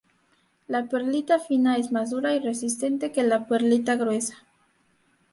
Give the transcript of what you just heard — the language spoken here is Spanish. La perlita fina es más dura y resistente que la perlita gruesa.